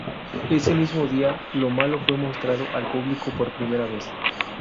Ese mismo día, Lo malo fue mostrado al público por primera vez.